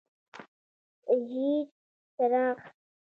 ژیړ څراغ: